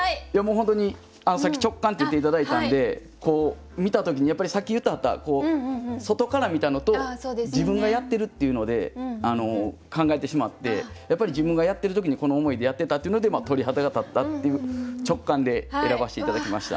本当にさっき直感って言って頂いたんで見た時にやっぱりさっき言ってはった外から見たのと自分がやってるっていうので考えてしまってやっぱり自分がやってる時にこの思いでやってたっていうので鳥肌が立ったっていう直感で選ばせて頂きました。